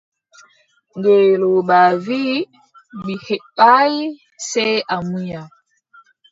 Ngelooba wii: mi heɓaay, sey a munya.